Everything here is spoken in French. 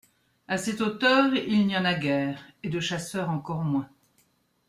À cette hauteur, il n’y en a guère, et de chasseurs encore moins.